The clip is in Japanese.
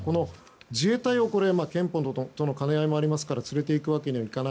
自衛隊、憲法との兼ね合いもありますから連れて行くわけにはいかない。